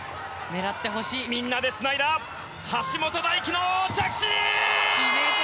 みんなでつないだ橋本大輝の着地！